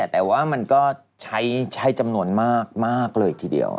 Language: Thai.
แต่ว่ามันก็ใช้จำนวนมากเลยทีเดียว